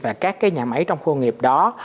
và các nhà máy trong khu công nghiệp đó